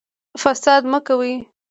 فساد مه کوئ